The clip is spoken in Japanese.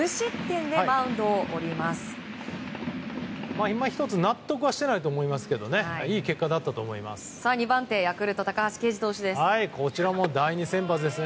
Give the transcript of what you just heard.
いま一つ納得はしていないと思いますけどいい結果だったと思います。